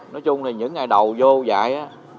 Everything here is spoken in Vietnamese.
nói chung là những ngày đầu vô dạy